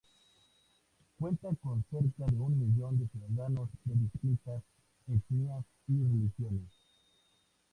Cuenta con cerca de un millón de ciudadanos de distintas etnias y religiones.